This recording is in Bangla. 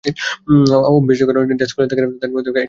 অম্বিকাচরণ ডেস্ক খুলিয়া দেখেন তাহার মধ্যে তাঁহার একখানি কাগজও নাই।